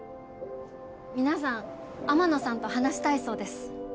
皆さん天野さんと話したいそうです